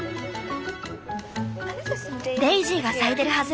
デイジーが咲いてるはず。